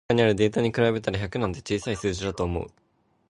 It involves activities such as strategic planning and strategic thinking.